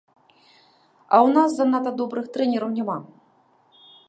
А ў нас занадта добрых трэнераў няма.